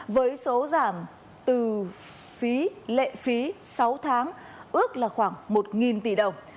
với số giảm từ phí lệ phí sáu tháng ước là khoảng một tỷ đồng